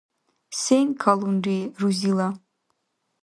Сен калунри, рузила?